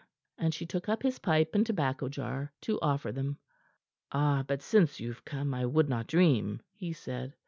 And she took up his pipe and tobacco jar to offer them. "Ah, but since you've come, I would not dream," he said.